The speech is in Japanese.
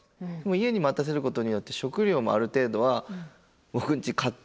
家で待たせることによって食料もある程度は僕んち買ってあるから。